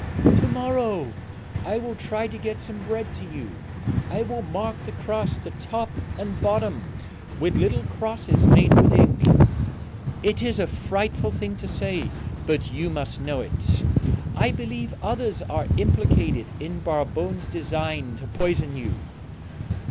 "To morrow I will try to get some bread to you; I will mark the crust at top and bottom with little crosses made with ink. It is a frightful thing to say, but you must know it: I believe others are implicated in Barbone's design to poison you.